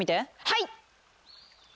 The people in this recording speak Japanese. はい！